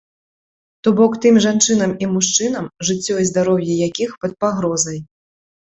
То бок тым жанчынам і мужчынам, жыццё і здароўе якіх пад пагрозай.